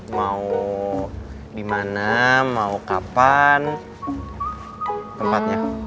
mau dimana mau kapan tempatnya